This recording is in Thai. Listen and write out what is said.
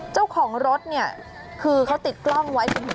เจ้าของรถนี่คือเขาติดกล้องไว้ถูกไหม